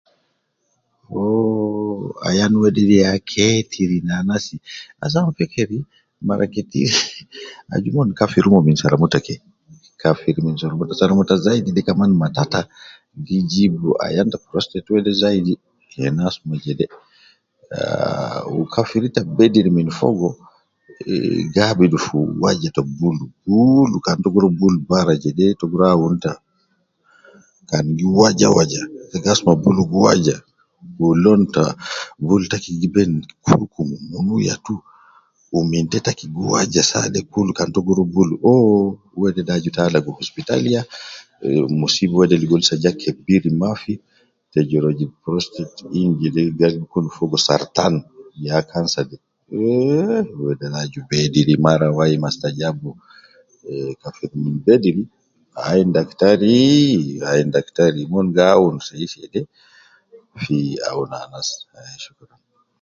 Wooh ayan wedede ya ketir ne anasi ase an feker mara ketir aju mon Kafir omon min saramuta ke, kafir min soromuta soromuta zaidi de kaman matata, gi jibu ayan ta prostate wede zaidi, kena asuma jede, ah wu kafir ita bedir min fogo ih gi abidu fi waja ta bulu, buulu kan ta gi rua bulu bara jede ta gi rua awun ita ,kan gi waja waja ,ta gi asuma bulu gi waja wu lon ta bulu taki gi ben kurukum ,munu yatu wu min te taki gi waja saa kul kan ta gi rua bulu, oh wedede aju ita alagu hospitalia eh muswiba wede ligo lisa ja kebir mafi te je rua jib prostate in Jede gal gi kun fogo sartan ya cancer de ,eeh wede aju bedir mara wai mastajabu eh kafir min bedir ayin daktari ayin daktari gi awun sei sei de fi awun anas ayi shukuran